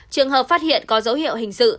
trường hợp phát hiện có dấu hiệu hình sự